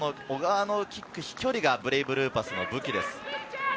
小川のキック、飛距離がブレイブルーパスの武器です。